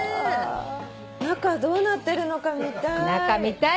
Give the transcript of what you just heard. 中どうなってるのか見たい。